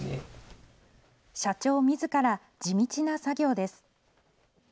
社長みずから、地道な作業です。